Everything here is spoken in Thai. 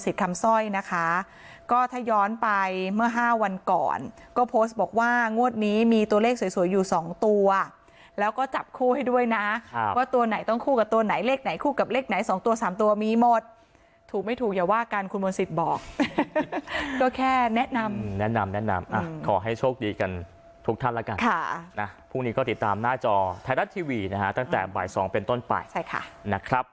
จับคู่ให้ด้วยนะครับว่าตัวไหนต้องคู่กับตัวไหนเลขไหนคู่กับเลขไหนสองตัวสามตัวมีหมดถูกไม่ถูกอย่าว่ากันคุณมณศิษย์บอกก็แค่แนะนำแนะนำแนะนำอ่ะขอให้โชคดีกันทุกท่านแล้วกันค่ะนะพรุ่งนี้ก็ติดตามหน้าจอไทยรัฐทีวีนะฮะตั้งแต่บ่ายสองเป็นต้นไปใช่ค่ะนะครับ